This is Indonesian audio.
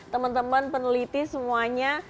teman teman peneliti semuanya